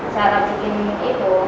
cara bikin itu